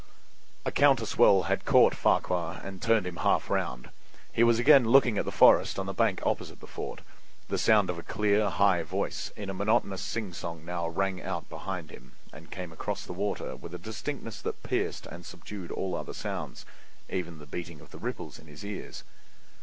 A counter swirl had caught Farquhar and turned him half round; he was again looking at the forest on the bank opposite the fort. The sound of a clear, high voice in a monotonous singsong now rang out behind him and came across the water with a distinctness that pierced and subdued all other sounds, even the beating of the ripples in his ears.